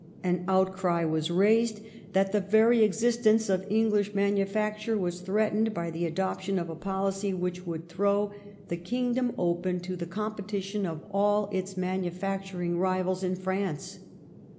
An outcry was raised that the very existence of English manufacture was threatened by the adoption of a policy which would throw this kingdom open to the competition of all its manufacturing rivals in France.